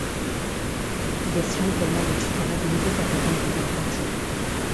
Il assure également le tutorat des nouveaux arrivants et des apprentis.